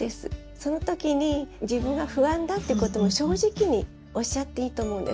その時に自分が不安だってことも正直におっしゃっていいと思うんです。